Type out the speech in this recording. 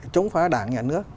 chống phá đảng nhà nước